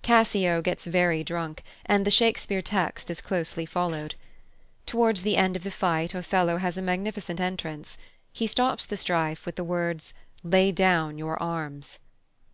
Cassio gets very drunk, and the Shakespeare text is closely followed. Towards the end of the fight Othello has a magnificent entrance. He stops the strife with the words, "Lay down your arms."